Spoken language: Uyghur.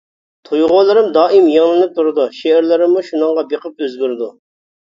تۇيغۇلىرىم دائىم يېڭىلىنىپ تۇرىدۇ، شېئىرلىرىممۇ شۇنىڭغا بېقىپ ئۆزگىرىدۇ.